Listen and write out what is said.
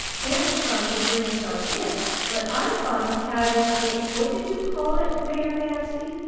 Santa Claus will bring us our gifts! But I thought of having a what did you call it, Mayor Gadsby?"